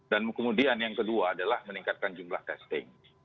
dan kemudian yang kedua adalah meningkatkan jumlah testing